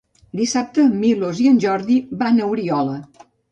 Dissabte en Milos i en Jordi van a Oriola.